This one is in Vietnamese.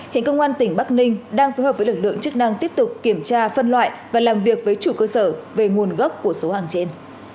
hiện công an tỉnh bắc ninh đang phối hợp với lực lượng chức năng tiếp tục kiểm tra phân loại và làm việc với chủ cơ sở về nguồn gốc của số hàng trên